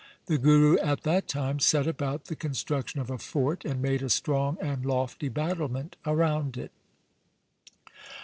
The Guru at that time set about the construction of a fort, and made a strong and lofty battlement around it.